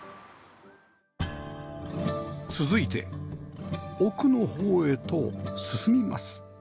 続いて奥の方へと進みます